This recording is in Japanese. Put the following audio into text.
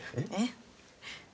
えっ！？